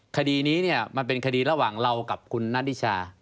คดีนี้มันเป็นคดีระหว่างเรากับคุณนัทธิชา